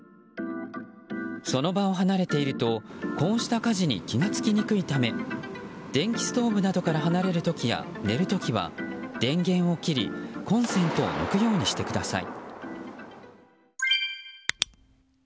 その場を離れているとこうした火事に気が付きにくいため電気ストーブなどから離れる時や寝る時は電源を切りコンセントを抜くようにしてください。